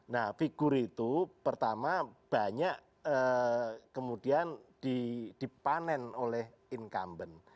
nah figur itu pertama banyak kemudian dipanen oleh incumbent